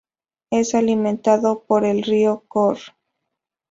Es alimentado por el río Kor.